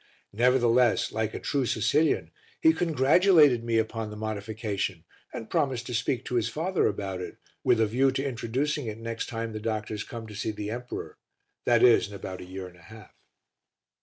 Nevertheless, like a true Sicilian, he congratulated me upon the modification and promised to speak to his father about it with a view to introducing it next time the doctors come to see the emperor that is in about a year and a half.